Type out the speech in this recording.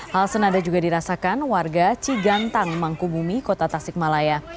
hal senada juga dirasakan warga cigantang mangkubumi kota tasikmalaya